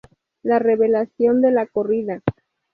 La revelación de la corrida.